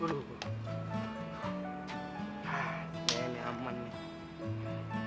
udah dia mampus